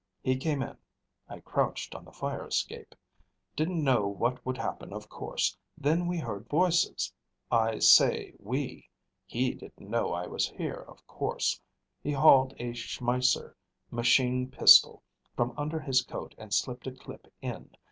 He came in. I crouched on the fire escape. Didn't know what would happen, of course. Then we heard voices. I say we he didn't know I was here, of course. He hauled a Schmeisser machine pistol from under his coat and slipped a clip in.